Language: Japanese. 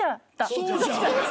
「そうじゃ」？